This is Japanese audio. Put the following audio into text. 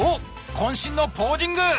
こん身のポージング！